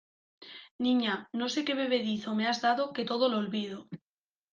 niña, no sé qué bebedizo me has dado que todo lo olvido...